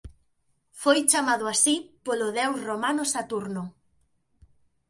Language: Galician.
Foi chamado así polo deus romano Saturno.